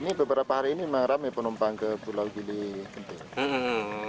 ini beberapa hari ini rame penumpang ke pulau gili kenting